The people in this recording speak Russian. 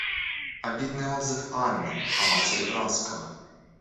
Обидный отзыв Анны о матери Вронского.